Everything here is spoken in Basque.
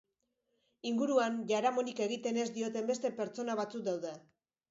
Inguruan, jaramonik egiten ez dioten beste pertsona batzuk daude.